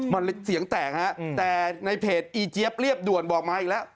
มันเสียงแตกฮะแต่ในเพจอีเจี๊ยบเรียบด่วนบอกมาอีกแล้ว